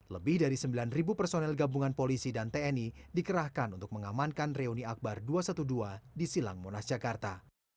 lebih dari sembilan personel gabungan polisi dan tni dikerahkan untuk mengamankan reuni akbar dua ratus dua belas di silang monas jakarta